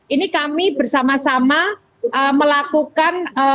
ini kami bersama sama melakukan